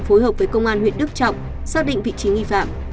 phối hợp với công an huyện đức trọng xác định vị trí nghi phạm